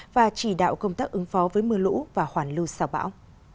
và chỉ đạo công tác ứng phó với mưa lũ và hoàn lưu sao bão